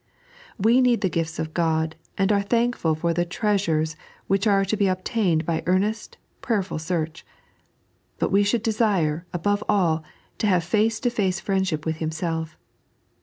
We need the gifts of God, and are thankful for the Measures which are to be obtained by earnest, prayerful search ; but we should desire, above all, to have face to face friendship with Himself.